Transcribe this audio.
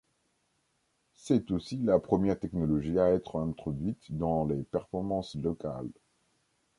C'est aussi la première technologie à être introduite dans les performances locales.